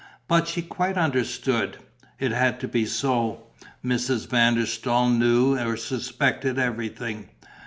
But she quite understood: it had to be so; Mrs. van der Staal knew or suspected everything.